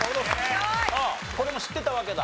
これも知ってたわけだ？